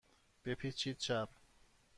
بپیچید چپ.